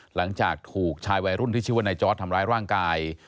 หลังจากถูกชายวัยรุ่นที่ชีวิตในจอสทำร้ายร่างกาย